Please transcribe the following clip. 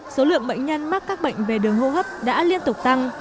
số lượng bệnh nhân mắc các bệnh về đường hô hấp đã liên tục tăng